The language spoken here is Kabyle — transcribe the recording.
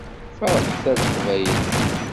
Ferḥet a Leqbayel!